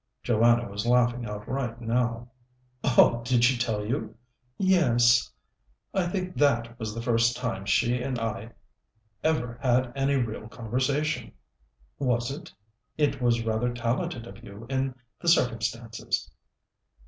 Joanna was laughing outright now. "Oh, did she tell you?" "Yes." "I think that was the first time she and I ever had any real conversation." "Was it? It was rather talented of you, in the circumstances."